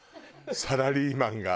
サラリーマンが。